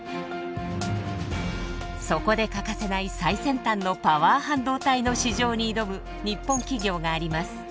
そこで欠かせない最先端のパワー半導体の市場に挑む日本企業があります。